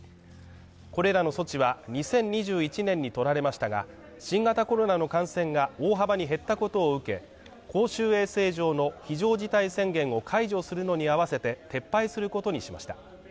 これらの措置は、２０２１年に取られましたが、新型コロナの感染が大幅に減ったことを受け、公衆衛生上の非常事態宣言を解除するのに合わせて撤廃することにしました。